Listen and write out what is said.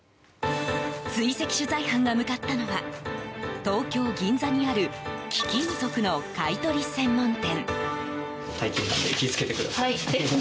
追跡取材班が向かったのは東京・銀座にある貴金属の買い取り専門店。